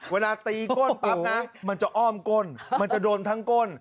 เวลาตีก้นปั๊บนะมันจะอ้อมก้นมันจะโดนทั้งก้น